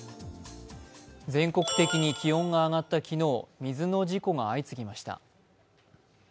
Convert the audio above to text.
全国的に気温が上がった昨日、水の事故が相次ぎました。